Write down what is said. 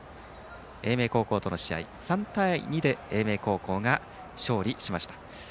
英明高校の試合３対２で英明高校が勝利しました。